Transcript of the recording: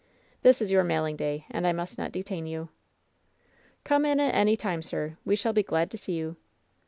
This is your mailing day, and I must not detain you." "Come in at any time, sir; we shall be glad to see you.